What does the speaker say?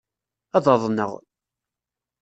Ad aḍneɣ.